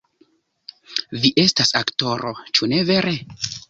Vi estas aktoro, ĉu ne vere?